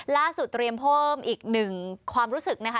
ล่าสุดเตรียมเพิ่มอีก๑ความรู้สึกนะคะ